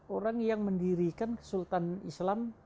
orang yang mendirikan kesultan islam